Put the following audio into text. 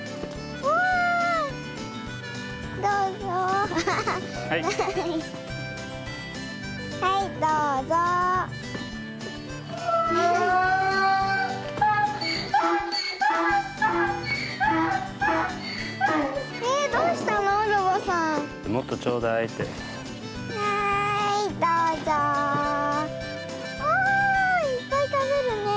おおいっぱいたべるねえ。